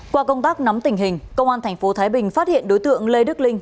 qua công tác nắm tình hình công an thành phố thái bình phát hiện đối tượng lê đức linh